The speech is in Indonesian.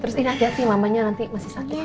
terus ini aja sih mamanya nanti masih sakit